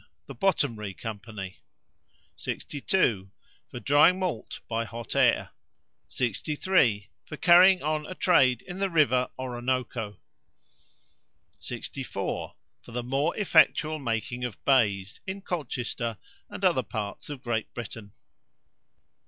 The Bottomry Company. 62. For drying malt by hot air. 63. For carrying on a trade in the river Oronooko. 64. For the more effectual making of baize, in Colchester and other parts of Great Britain.